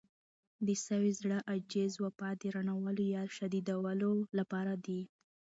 د سوي زړه، عجز، وفا د رڼولو يا شديدولو لپاره دي.